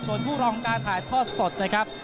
ส่วนผู้รองการถ่ายทอดสดนะครับ